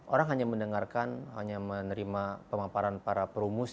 orang hanya mendengarkan hanya menerima pemaparan para perumus